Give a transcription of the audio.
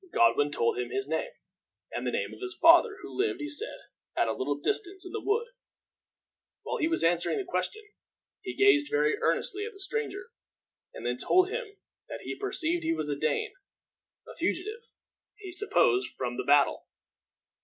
Godwin told him his name, and the name of his father, who lived, he said, at a little distance in the wood. While he was answering the question, he gazed very earnestly at the stranger, and then told him that he perceived that he was a Dane a fugitive, he supposed, from the battle.